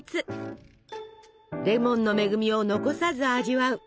レモンの恵みを残さず味わう！